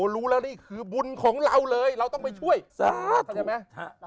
รู้แล้วนี่คือบุญของเราเลยเราต้องไปช่วยสาธใช่ไหม